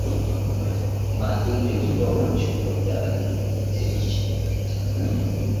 mhadhiri kutoka chuo cha diplomasia nchini tanzania